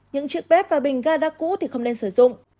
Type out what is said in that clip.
những chiếc bếp và bình ga đã cũ thì không nên sử dụng